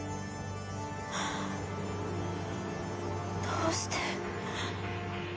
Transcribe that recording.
どうして？